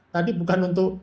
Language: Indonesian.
tadi bukan untuk